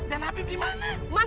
dan afif dimana